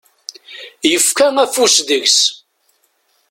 Yefka afus deg-s.